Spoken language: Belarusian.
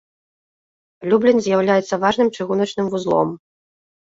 Люблін з'яўляецца важным чыгуначным вузлом.